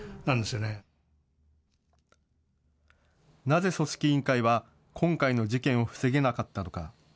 なぜ組織委員会は今回の事件を防げなかったのか。